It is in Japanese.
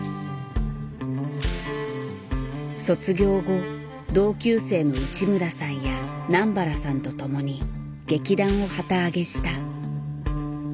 卒業後同級生の内村さんや南原さんと共に劇団を旗揚げした。